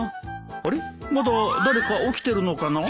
あれまだ誰か起きてるのかな？